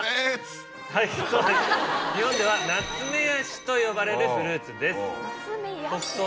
日本ではナツメヤシと呼ばれるフルーツです。